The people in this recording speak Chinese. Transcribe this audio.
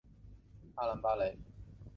阿兰巴雷是巴西南大河州的一个市镇。